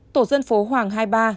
tổ dân phố hoàng hai mươi ba